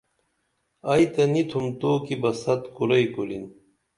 ائی تہ نی تِھم تو کی بہ ست کُرئی کُرِن